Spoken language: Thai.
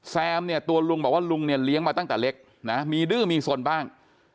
แซมเนี่ยตัวลุงบอกว่าลุงเนี่ยเลี้ยงมาตั้งแต่เล็กนะมีดื้อมีสนบ้าง